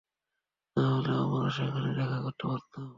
না হলে, আমরা সেখানে দেখা করতে পারতাম।